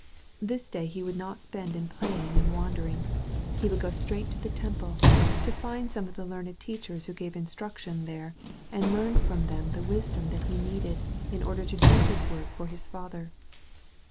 This day he would not spend in playing and wan dering. He would go straight to the Temple, to find some of the learned teachers who gave instruc tion there, and learn from them the wisdom that he needed in order to do his work for hb Father.